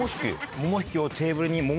ももひきをテーブルに。